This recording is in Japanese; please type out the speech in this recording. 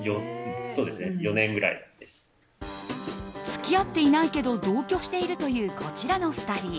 付き合っていないけど同居しているというこちらの２人。